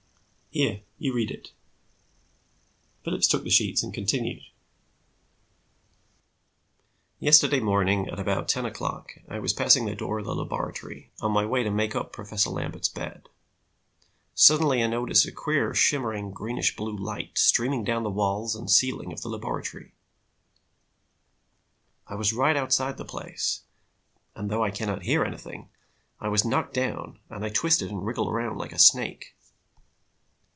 Here, you read it." Phillips took the sheets and continued: "'Yesterday morning about ten o'clock I was passing the door of the laboratory on my way to make up Professor Lambert's bed. Suddenly I noticed a queer, shimmering, greenish blue light streaming down from the walls and ceiling of the laboratory. I was right outside the place and though I cannot hear anything, I was knocked down and I twisted and wriggled around like a snake.